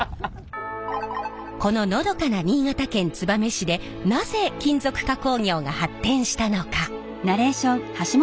こののどかな新潟県燕市でなぜ金属加工業が発展したのか。